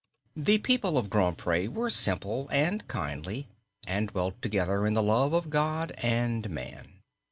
The people of Grand Pré were simple and kindly, and dwelt together in the love of God and man.